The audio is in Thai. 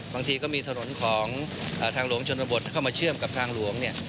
บางทีก็มีถนนของทางหลวงชนบทเข้ามาเชื่อมกับทางหลวง